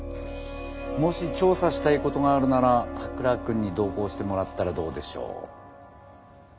もし調査したいことがあるなら田倉君に同行してもらったらどうでしょう。